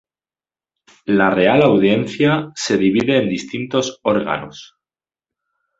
La Real Audiencia se divide en distintos órganos.